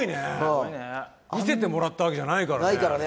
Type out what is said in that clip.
見せてもらったわけじゃないからね。